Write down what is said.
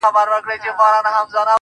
تا هچيش ساتلې دې پر کور باڼه